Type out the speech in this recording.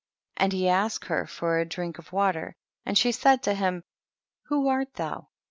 38. And he asked her for a drink of water and she said to him, who art thou